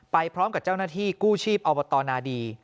ไปพร้อมกับเจ้าหน้าที่กู้ชีพอบตนาดี